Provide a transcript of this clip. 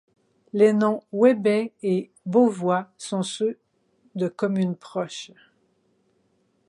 Les noms Wambaix et Beauvois sont ceux de communes proches.